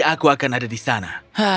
aku akan ada di sana